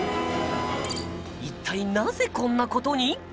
一体なぜこんな事に？